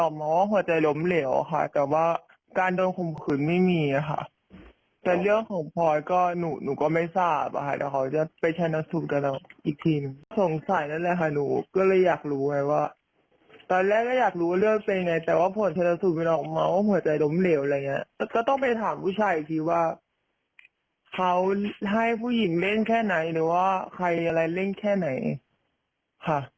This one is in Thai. ก็ต้องไปถามผู้ชายอีกทีว่าเขาให้ผู้หญิงเล่นแค่ไหนหรือว่าใครอะไรเล่นแค่ไหนค่ะ